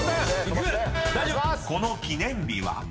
［この記念日は？］